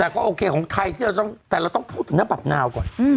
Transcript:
แต่ก็โอเคของไทยแต่เราต้องพูดถึงหน้าบับนาวก่อน